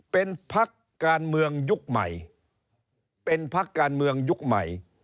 เป็นพักการเมืองยุคใหม่เป็นพักการเมืองยุคใหม่